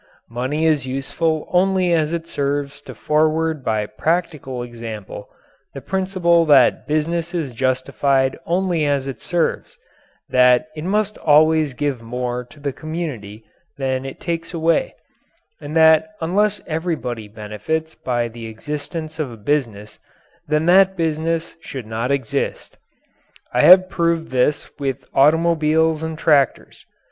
Money is useful only as it serves to forward by practical example the principle that business is justified only as it serves, that it must always give more to the community than it takes away, and that unless everybody benefits by the existence of a business then that business should not exist. I have proved this with automobiles and tractors.